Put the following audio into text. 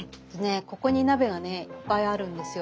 ここに鍋がねいっぱいあるんですよ。